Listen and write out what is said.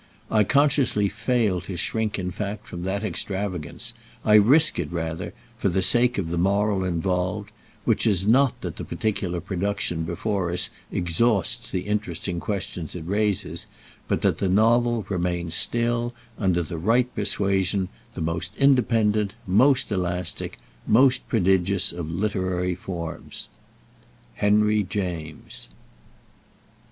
I consciously fail to shrink in fact from that extravagance—I risk it rather, for the sake of the moral involved; which is not that the particular production before us exhausts the interesting questions it raises, but that the Novel remains still, under the right persuasion, the most independent, most elastic, most prodigious of literary forms. HENRY JAMES.